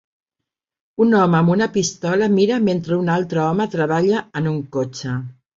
Un home amb una pistola mira mentre un altre home treballa en un cotxe.